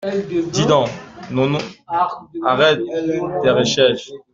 Dis donc nono, arrête tes recherches.